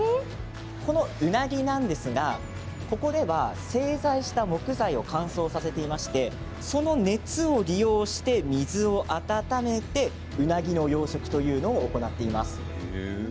このうなぎなんですがここでは製材した木材を乾燥させていましてその熱を利用して水を温めてうなぎの養殖というのを行っています。